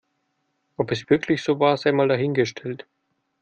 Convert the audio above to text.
Ob es wirklich so war, sei mal dahingestellt.